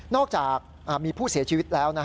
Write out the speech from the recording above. อกจากมีผู้เสียชีวิตแล้ว